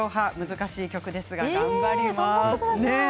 難しい曲ですが頑張ります。